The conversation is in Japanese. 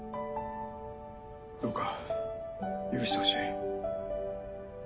どうか許してほしい。